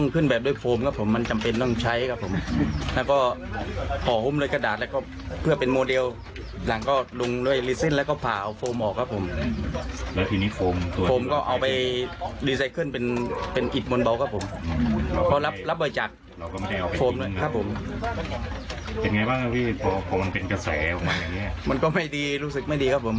พอเรียบรับเบอร์จากโฟมหน่อยครับผมเป็นไงบ้างนะพี่มันก็ไม่ดีรู้สึกไม่ดีครับผม